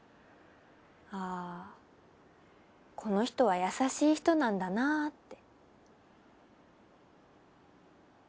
あこの人は優しい人なんだなって。